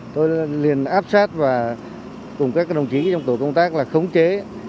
tôi liền áp sát và cùng các đồng chí trong tổ công tác là khống chế